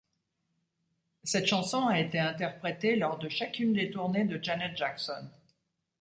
Cette chanson a été interprétée lors de chacune des tournées de Janet Jackson.